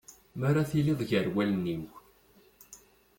Mi ara tiliḍ gar wallen-iw.